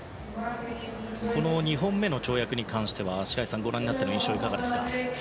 ２本目の跳躍に関しては白井さん、ご覧になっての印象はどうですか？